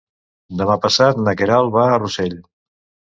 Demà passat na Queralt va a Rossell.